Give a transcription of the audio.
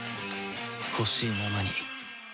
ほしいままに